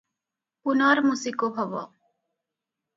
-ପୁନର୍ମୂଷିକୋଭବ ।"